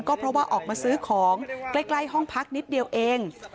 ก็เพราะว่าออกมาซื้อของใกล้ห้องพักนิดเดียวเอง